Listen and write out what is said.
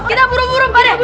kita buru buru pak ade